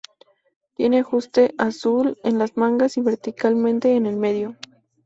Tiene ajuste azul en las mangas y verticalmente en el medio.